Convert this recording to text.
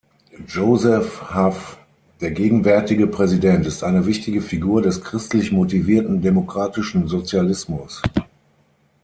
Joseph Hough, der gegenwärtige Präsident, ist eine wichtige Figur des christlich motivierten demokratischen Sozialismus.